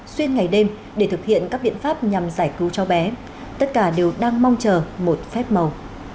xuyên ngày đêm để thực hiện các biện pháp nhằm giải cứu cháu bé tất cả đều đang mong chờ một phép màu